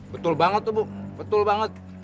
betul banget tuh bu betul banget